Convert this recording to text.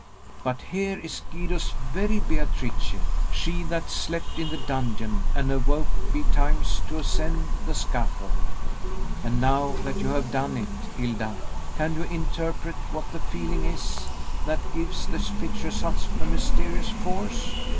But here is Guido's very Beatrice; she that slept in the dungeon, and awoke, betimes, to ascend the scaffold, And now that you have done it, Hilda, can you interpret what the feeling is, that gives this picture such a mysterious force?